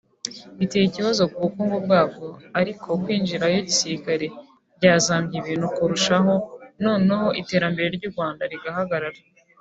Biteye ikibazo ku bukungu bwaro ariko kwinjirayo gisirikare byazambya ibintu kurushaho noneho iterambere ry’u Rwanda rigahagarara